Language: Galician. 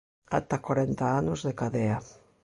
Ata corenta anos de cadea.